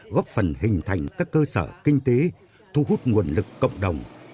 góp phần hình thành các cơ sở kinh tế thu hút nguồn lực cộng đồng